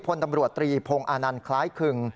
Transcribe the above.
พลตำรวจตรีพงศ์อานันต์คล้ายคึง